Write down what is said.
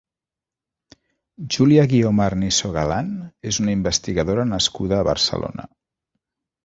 Julia Guiomar Niso Galán és una investigadora nascuda a Barcelona.